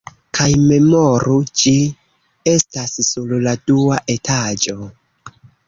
Kaj memoru, ĝi estas sur la dua etaĝo.